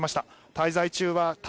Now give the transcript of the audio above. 滞在中は対